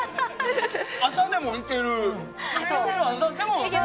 朝でもいける！